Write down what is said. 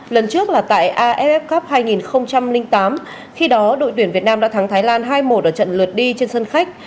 lần trước là tại aff cup hai nghìn tám khi đó đội tuyển việt nam đã thắng thái lan hai một ở trận lượt đi trên sân khách